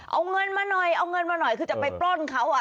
เอาเงินมาหน่อยเอาเงินมาหน่อยคือจะไปปล้นเขาอ่ะ